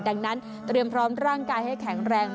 ดังนั้นเตรียมพร้อมร่างกายให้แข็งแรง